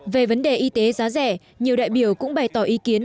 về vấn đề y tế giá rẻ nhiều đại biểu cũng bày tỏ ý kiến